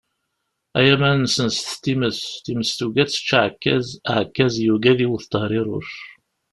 Ay aman senset times, times tugi ad tečč aɛekkaz, aɛekkaz yugi ad iwwet Tehriruc.